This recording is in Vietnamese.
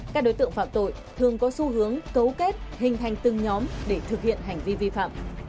các đối tượng phạm tội thường có xu hướng cấu kết hình thành từng nhóm để thực hiện hành vi vi phạm